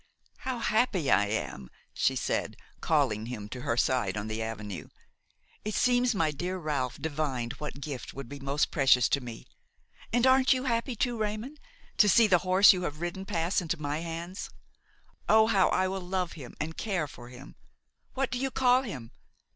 "How happy I am!" she said, calling him to her side on the avenue. "It seems my dear Ralph divined what gift would be most precious to me. And aren't you happy too, Raymon, to see the horse you have ridden pass into my hands? Oh I how I will love him and care for him! What do you call him?